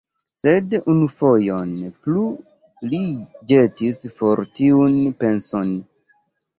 Sed unufojon plu li ĵetis for tiun penson.